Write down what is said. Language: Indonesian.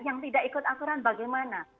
yang tidak ikut aturan bagaimana